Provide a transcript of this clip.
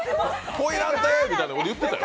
恋なんてみたいなこと言うてたよ。